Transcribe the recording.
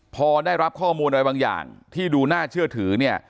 พอได้รับข้อมูลอะไรบางอย่างที่ดูน่าเชื่อถือเนี่ย